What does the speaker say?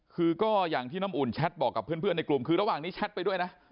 คือก็อย่างที่น้ำอุ่นแชทบอกกับเพื่อนในกลุ่มคือระหว่างนี้แชทไปด้วยนะ